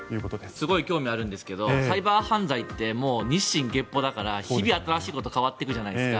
すごい興味あるんですけどサイバー犯罪って日進月歩だから日々新しいことに変わっていくじゃないですか。